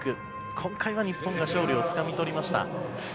今回は日本が勝利をつかみ取りました。